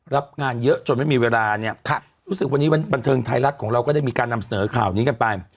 รับงานเยอะจนไม่มีเวลาเนี่ยรู้สึกวันนี้วันบันเทิงไทยรัฐของเราก็ได้มีการนำเสนอข่าวนี้กันไป